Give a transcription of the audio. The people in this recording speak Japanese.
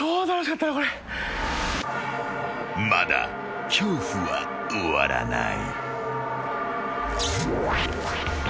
［まだ恐怖は終わらない］